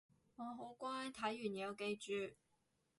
我好乖睇完有記住